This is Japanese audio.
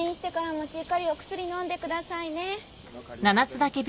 はい分かりました。